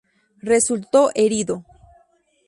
Resultó herido.